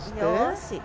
よし。